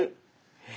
え⁉